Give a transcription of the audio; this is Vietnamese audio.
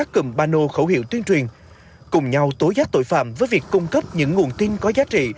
rồi tuyên truyền nhắc nhở phong trọng tội phạt trồng cấp